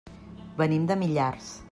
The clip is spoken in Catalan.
Venim de Millars.